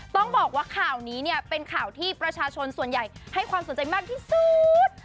ต้องบอกว่าข่าวนี้เนี่ยเป็นข่าวที่ประชาชนส่วนใหญ่ให้ความสนใจมากที่สุด